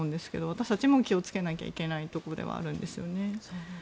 私たちも気をつけなきゃいけないところではあるんですよね。